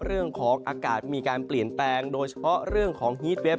เรื่องของอากาศมีการเปลี่ยนแปลงโดยเฉพาะเรื่องของฮีตเวฟ